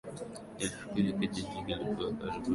Nilifikiri kijiji kilikuwa karibu na hapa, lakini nimekosea.